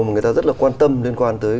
mà người ta rất là quan tâm liên quan tới